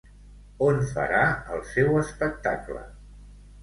On farà el seu espectacle?